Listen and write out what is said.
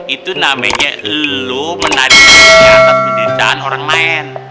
itu namanya lu menarik di atas penderitaan orang lain